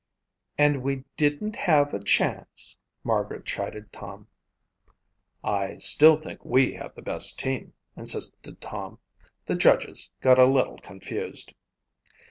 "And we didn't have a chance," Margaret chided Tom. "I still think we have the best team," insisted Tom. "The judges got a little confused."